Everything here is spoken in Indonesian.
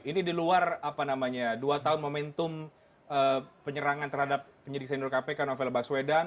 ini di luar dua tahun momentum penyerangan terhadap penyelidik senur kpk novel baswedan